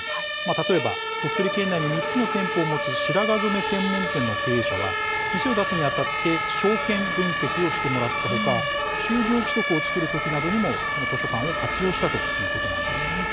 例えば鳥取県内に３つの店舗を持つ白髪染め専門店の経営者は店を出すにあたって商圏分析をしてもらったほか就業規則を作る時などにもこの図書館を活用したということなんです。